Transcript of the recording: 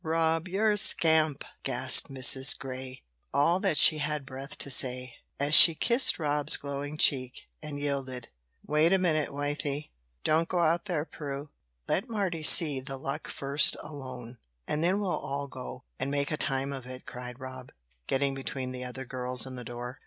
"Rob, you're a scamp," gasped Mrs. Grey all that she had breath to say as she kissed Rob's glowing cheek, and yielded. "Wait a minute, Wythie; don't go out there, Prue. Let Mardy see the luck first alone, and then we'll all go, and make a time of it," cried Rob, getting between the other girls and the door.